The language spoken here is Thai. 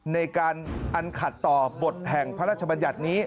ในการอันขัดต่อบทแห่งพระราชบัญญัตินี้